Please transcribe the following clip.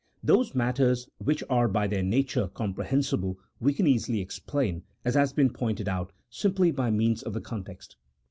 Those matters which are by their nature comprehensible we can easily explain, as has been pointed out, simply by means of the context.